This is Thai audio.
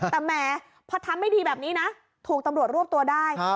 แต่แหมพอทำไม่ดีแบบนี้นะถูกตำรวจรวบตัวได้